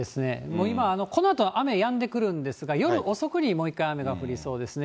もう今このあと雨やんでくるんですが、夜遅くにもう一回雨が降りそうですね。